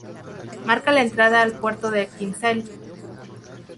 Marca la entrada al puerto de Kinsale.